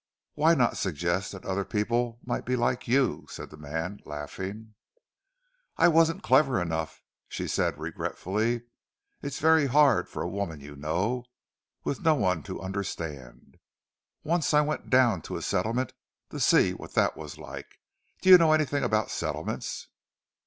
"Why not suggest that other people might be like you?" said the man, laughing. "I wasn't clever enough," said she, regretfully.—"It's very hard for a woman, you know—with no one to understand. Once I went down to a settlement, to see what that was like. Do you know anything about settlements?"